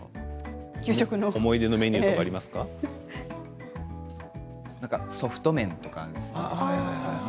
思い出のメニューとかソフト麺とかですかね。